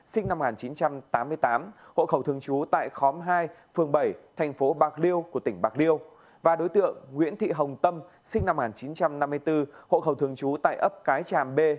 sinh năm một nghìn chín trăm tám mươi tám hộ khẩu thường trú tại khóm hai phường bảy thành phố bạc liêu của tỉnh bạc liêu và đối tượng nguyễn thị hồng tâm sinh năm một nghìn chín trăm năm mươi bốn hộ khẩu thường trú tại ấp cái tràm b